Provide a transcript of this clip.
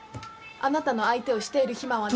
あなたの相手をしている暇は。